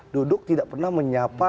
duduk tidak pernah menyapa